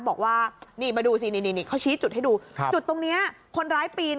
บอกว่านี่มาดูสินี่เขาชี้จุดให้ดูจุดตรงนี้คนร้ายปีน